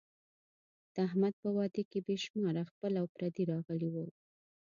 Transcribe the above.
د احمد په واده کې بې شماره خپل او پردي راغلي وو.